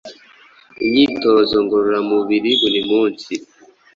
imyitozo ngororamubiri buri munsi.